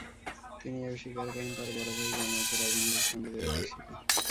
তিনি এ-ও স্বীকার করেন, তাঁর ভাই জামায়াতের রাজনীতির সঙ্গে জড়িত ছিল।